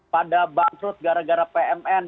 pada bangkrut gara gara pmn